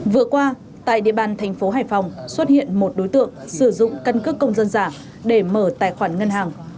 vừa qua tại địa bàn thành phố hải phòng xuất hiện một đối tượng sử dụng căn cước công dân giả để mở tài khoản ngân hàng